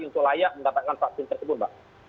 untuk layak mendapatkan vaksin tersebut mbak